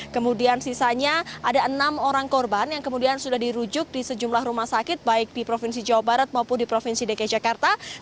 kemudian sisanya ada enam orang korban yang kemudian sudah dirujuk di sejumlah rumah sakit baik di provinsi jawa barat maupun di provinsi dki jakarta